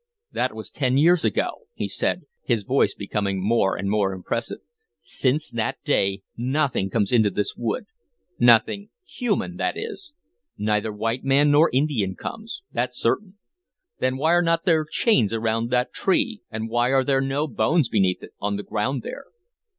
"That was ten years ago," he said, his voice becoming more and more impressive. "Since that day nothing comes into this wood, nothing human, that is. Neither white man nor Indian comes, that's certain. Then why are n't there chains around that tree, and why are there no bones beneath it, on the ground there?